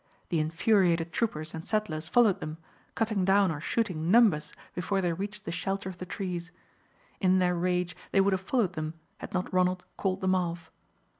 The infuriated troopers and settlers followed them, cutting down or shooting numbers before they reached the shelter of the trees. In their rage they would have followed them had not Ronald called them off.